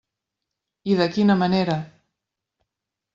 I de quina manera!